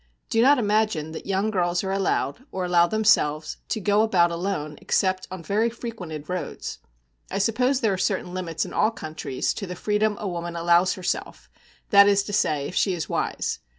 Do not imagine that young girls are allowed, or allow themselves, to go about alone except on very frequented roads. I suppose there are certain limits in all countries to the freedom a woman allows herself, that is to say, if she is wise.